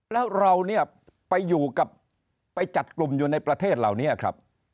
แล้วเราเนี่ยไปอยู่กับไปจัดกลุ่มอยู่ในประเทศเหล่านี้ครับ